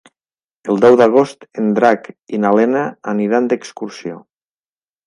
El deu d'agost en Drac i na Lena aniran d'excursió.